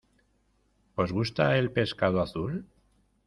¿Os gusta el pescado azul?